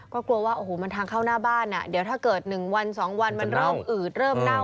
ก็กลัวว่ามันทางเข้าหน้าบ้านถ้าเกิด๑๒วันมันเริ่มอืดเริ่มเน่า